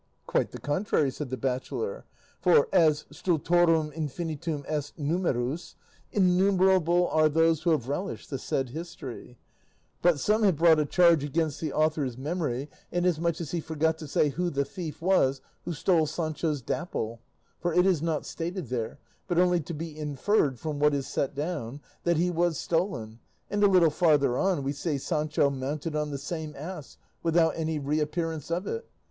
"Quite the contrary," said the bachelor; "for, as stultorum infinitum est numerus, innumerable are those who have relished the said history; but some have brought a charge against the author's memory, inasmuch as he forgot to say who the thief was who stole Sancho's Dapple; for it is not stated there, but only to be inferred from what is set down, that he was stolen, and a little farther on we see Sancho mounted on the same ass, without any reappearance of it.